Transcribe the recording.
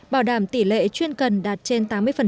bảo đảm tỷ lệ chuyên cần đạt trên tám mươi